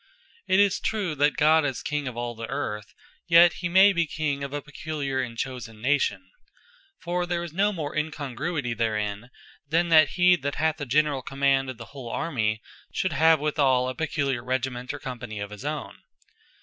It is true, that God is King of all the Earth: Yet may he be King of a peculiar, and chosen Nation. For there is no more incongruity therein, than that he that hath the generall command of the whole Army, should have withall a peculiar Regiment, or Company of his own.